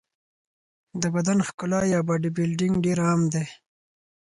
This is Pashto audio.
د بدن ښکلا یا باډي بلډینګ ډېر عام دی.